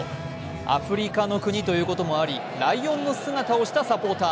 アフリカの国ということもありライオンの姿をしたサポーター。